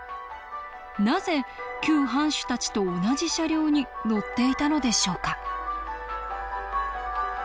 なぜ旧藩主たちと同じ車両に乗っていたのでしょうか